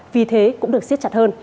vì thế cũng được xiết chặt hơn